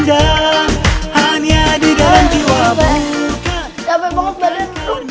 capek banget badan